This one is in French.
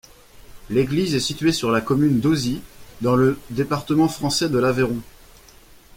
L'église est située sur la commune d'Auzits, dans le département français de l'Aveyron.